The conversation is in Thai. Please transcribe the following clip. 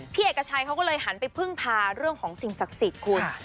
เอกชัยเขาก็เลยหันไปพึ่งพาเรื่องของสิ่งศักดิ์สิทธิ์คุณ